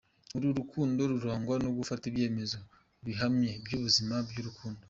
Uru rukundo rurangwa no gufata ibyemezo bihamye by’ubuzima bw’urukundo.